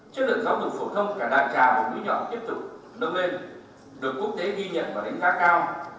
chất lượng giáo dục phổ thông cả đại trà và mũi nhỏ tiếp tục nâng lên được quốc tế ghi nhận và đánh giá cao